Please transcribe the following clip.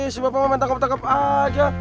siapa mau menangkap tangkap aja